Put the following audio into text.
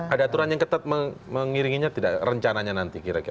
ada aturan yang ketat mengiringinya tidak rencananya nanti kira kira